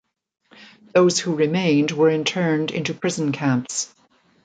Those who remained were interned into prison camps.